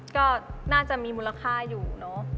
ก็น่าจะมีมูลค่าอยู่เนอะ